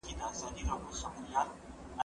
زه اوس نان خورم!؟